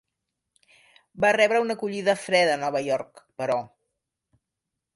Va rebre una acollida freda a Nova York, però.